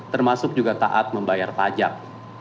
termasuk juga taat membayar pajak